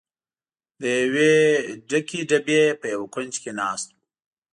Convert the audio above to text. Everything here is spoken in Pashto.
د یوې ډکې ډبې په یوه کونج کې ناست و.